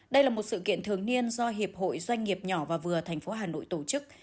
đây là một sự kiện thường niên do hiệp hội doanh nghiệp nhỏ và vừa thành phố hà nội tổ chức